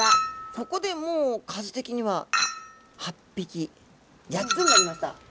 そこでもう数的には８匹８つになりました。